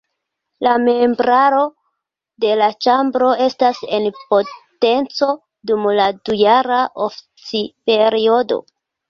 La membraro de la ĉambro estas en potenco dum dujara oficperiodo.